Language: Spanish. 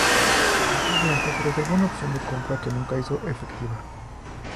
El club blanco se reservó una opción de compra que nunca hizo efectiva.